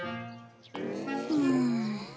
うん。